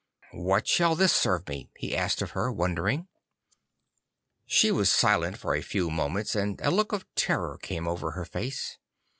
'What shall this serve me?' he asked of her, wondering. She was silent for a few moments, and a look of terror came over her face.